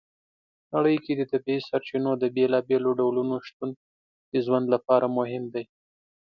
نړۍ کې د طبیعي سرچینو د بېلابېلو ډولو شتون د ژوند لپاره مهم دی.